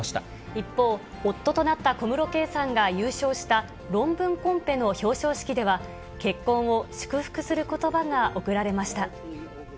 一方、夫となった小室圭さんが優勝した論文コンペの表彰式では、結婚を祝福することばが送られました。